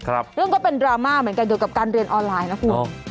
เรื่องก็เป็นดราม่าเหมือนกันเกี่ยวกับการเรียนออนไลน์นะคุณ